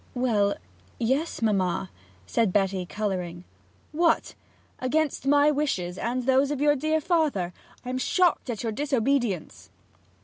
'Well yes, mamma,' says Betty, colouring. 'What against my wishes and those of your dear father! I am shocked at your disobedience!'